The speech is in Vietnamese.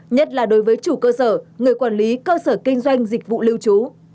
nhất là đối với chủ cơ sở người quản lý cơ sở kinh doanh dịch vụ lưu trú